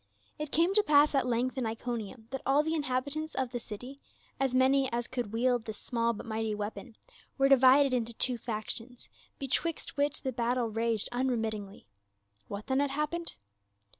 It came to pass at length in Iconium that all the inhabitants of the city, as many as could wield this small but mighty weapon, were divided into two factions, betwixt which the battle raged unremit tingly. What then had happened